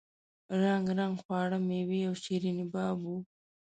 رنګ رنګ خواړه میوې او شیریني باب وو.